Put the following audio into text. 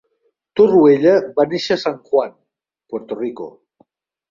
Torruella va néixer a San Juan, Puerto Rico.